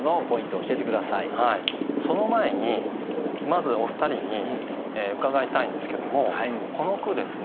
はいその前にまずお二人に伺いたいんですけどもこの句ですね